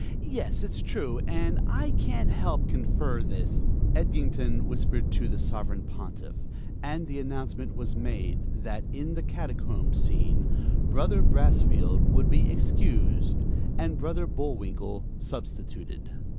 "Yes, it's true, and I can't help confer this " Edgington whispered to the Sovereign Pontiff; and the announcement was made that in the Catacombs scene Brother Brassfield would be excused and Brother Bulliwinkle substituted.